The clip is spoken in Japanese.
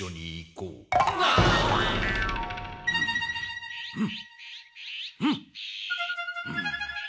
うん。